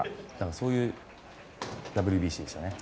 そういうＷＢＣでしたね。